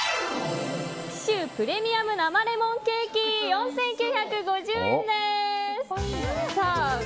紀州プレミアム生レモンケーキ４９５０円です。